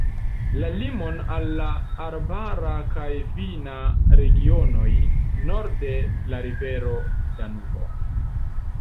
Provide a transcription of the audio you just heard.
La limon al la arbara kaj vina regionoj norde la rivero Danubo.